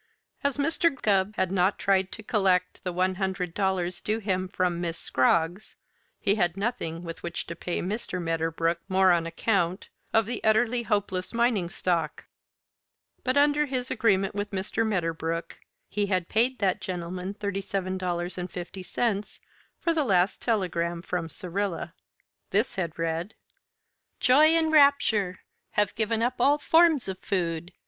As Mr. Gubb had not tried to collect the one hundred dollars due him from Miss Scroggs, he had nothing with which to pay Mr. Medderbrook more on account of the Utterly Hopeless mining stock, but under his agreement with Mr. Medderbrook he had paid that gentleman thirty seven dollars and fifty cents for the last telegram from Syrilla. This had read: Joy and rapture! Have given up all forms of food.